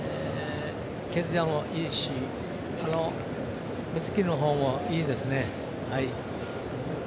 毛づやもいいし目つきのほうもいいですね。